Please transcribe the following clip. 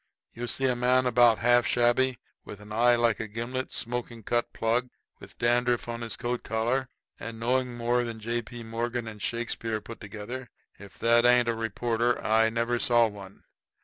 You see a man about half shabby, with an eye like a gimlet, smoking cut plug, with dandruff on his coat collar, and knowing more than J. P. Morgan and Shakespeare put together if that ain't a reporter I never saw one.